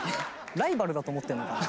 ライバルだと思ってんのかな？